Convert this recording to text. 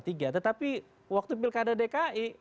tetapi waktu pilkada dki